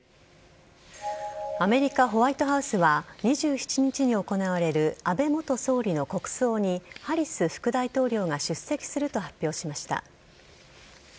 アメリカ・ホワイトハウスは２７日に行われる安倍元総理の国葬にハリス副大統領が出席すると発表しました。